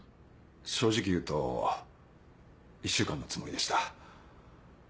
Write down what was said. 正直言うと１週間のつもりでした。